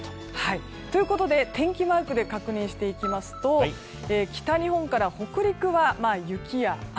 ということで天気マークで確認していきますと北日本から北陸は雪や雨。